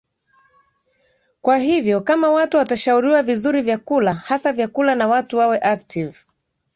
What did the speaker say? kwa hivyo kama watu watashauriwa vizuri vyakula hasa vyakula na watu wawe active